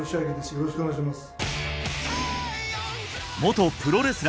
よろしくお願いします